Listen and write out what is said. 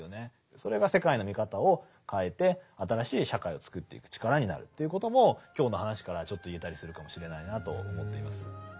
それが世界の見方を変えて新しい社会をつくっていく力になるということも今日の話からはちょっと言えたりするかもしれないなと思っています。